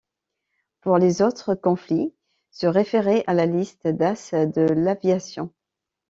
Pour les autres conflits, se référer à la liste d'as de l'aviation.